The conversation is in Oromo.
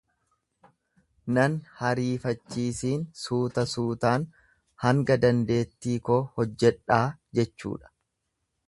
Nan hariifachiisiin, suuta suutan hanga dandeettii koo hojjedhaa jechuudha.